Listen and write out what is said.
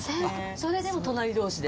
それでも隣同士で？